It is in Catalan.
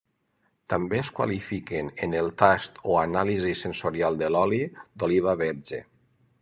També es qualifiquen en el tast o anàlisi sensorial de l'oli d'oliva verge.